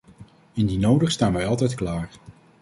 Indien nodig staan wij altijd klaar.